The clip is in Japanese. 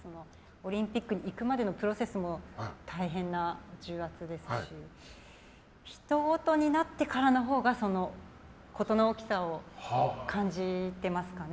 オリンピックに行くまでのプロセスも大変な重圧ですしひとごとになってからのほうが事の大きさを感じてますかね。